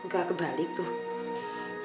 gak kebalik tuh